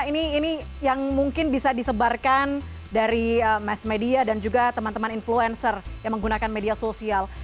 ini yang mungkin bisa disebarkan dari mass media dan juga teman teman influencer yang menggunakan media sosial